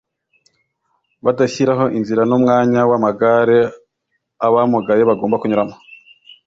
badashyiraho inzira n’umwanya w’amagare abamugaye bagomba kunyuramo